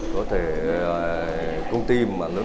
có thể công ty mà lớn lớn